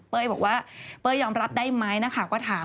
เป้ยบอกว่าเป้ยยอมรับได้ไหมนะคะก็ถาม